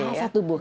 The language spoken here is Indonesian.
iya bahasa tubuh